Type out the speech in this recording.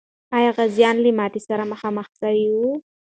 آیا غازیان له ماتي سره مخامخ سوي و؟